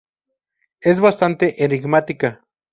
Es bastante enigmática.